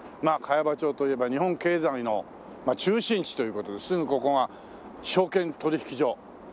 まあ茅場町といえば日本経済の中心地という事ですぐここが証券取引所。